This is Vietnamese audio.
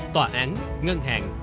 tòa án ngân hàng